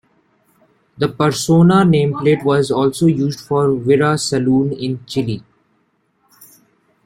The Persona nameplate was also used for the Wira saloon in Chile.